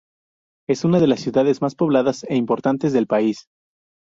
Es una de las ciudades más pobladas e importantes del país.